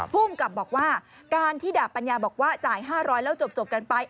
ภูมิกับบอกว่าการที่ดาบปัญญาบอกว่าจ่าย๕๐๐แล้วจบกันไป